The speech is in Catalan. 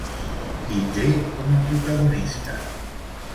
Qui té com a protagonista?